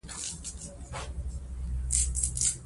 د ښار په پارکونو کې ماشومان په خوښۍ سره لوبې کوي.